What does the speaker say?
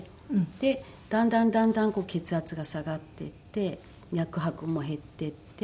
でだんだんだんだんこう血圧が下がっていって脈拍も減っていって。